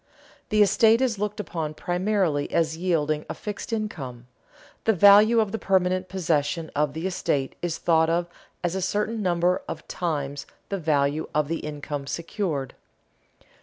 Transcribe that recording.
The estate is looked upon primarily as yielding a fixed income; the value of the permanent possession of the estate is thought of as a certain number of times the value of the income secured.